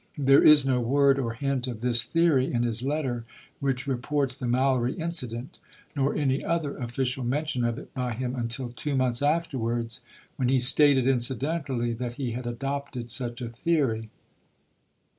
There is no word or hint of this theory in his letter which reports the Mallory incident, nor any other official mention of it by him, until two months afterwards, when he stated incidentally that he had adopted such a theory.